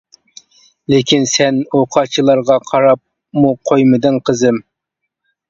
لېكىن سەن ئۇ قاچىلارغا قاراپمۇ قويمىدىڭ قىزىم.